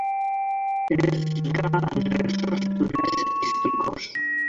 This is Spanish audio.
Es rica en recursos naturales e históricos.